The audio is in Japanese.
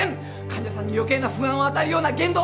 患者さんに余計な不安を与えるような言動は。